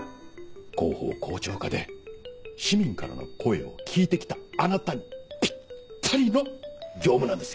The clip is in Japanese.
広報広聴課で市民からの声を聞いてきたあなたにぴったりの業務なんですよ。